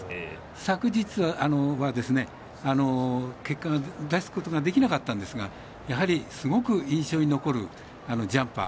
昨日は結果が出すことができなかったんですがやはりすごく印象に残るジャンパー。